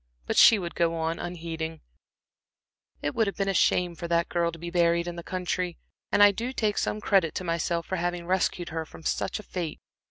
But she would go on unheeding: "It would have been a shame for that girl to be buried in the country, and I do take some credit to myself for having rescued her from such a fate.